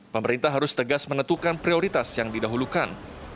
pemerintah harus tegas menentukan prioritas yang didahulukan